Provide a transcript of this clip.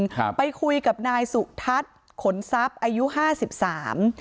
ครับไปคุยกับนายสุทัศน์ขนทรัพย์อายุห้าสิบสาม